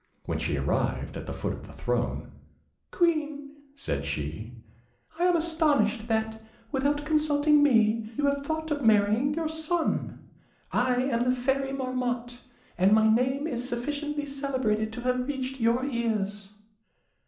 When she arrived at the foot of the throne, "Queen" said she, "I am astonished that, without consulting me, you have thought of marrying your son. I am the Fairy Marmotte, and my name is sufficiently celebrated to have reached your ears."